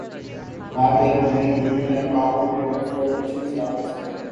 تاکہ وہ نئی کمپیوٹر ، لیپ ٹاپس اور ٹیبلٹس پر اسے انسٹال کر سکیں